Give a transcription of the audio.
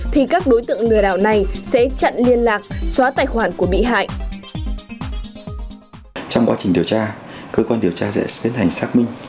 thì các đối tượng lừa đảo này sẽ chặn liên lạc xóa tài khoản của bị hại